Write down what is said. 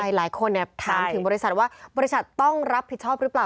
หลายคนถามถึงบริษัทว่าบริษัทต้องรับผิดชอบหรือเปล่า